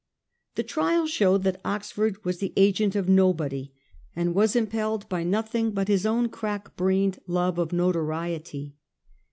The trial showed that Oxford was the agent of nobody, and was impelled by nothing but his own crack brained, love of notoriety.